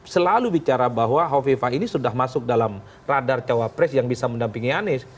selalu bicara bahwa hovifah ini sudah masuk dalam radar cawapres yang bisa mendampingi anies